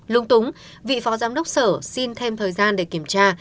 lung túng vị phó giám đốc sở xin thêm thời gian để kiểm tra